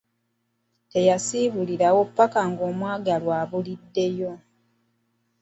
Teyasimbulirawo mpaka nga omwagalwa abuliddeyo.